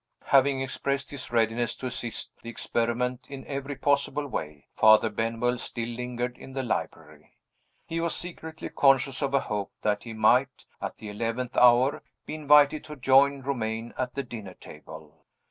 Having expressed his readiness to assist "the experiment" in every possible way, Father Benwell still lingered in the library. He was secretly conscious of a hope that he might, at the eleventh hour, be invited to join Romayne at the dinner table.